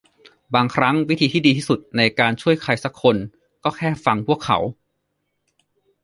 บางครั้งวิธีที่ดีที่สุดในการช่วยใครซักคนก็แค่ฟังพวกเขา